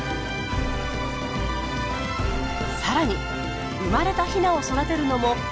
さらに生まれたヒナを育てるのもオスです。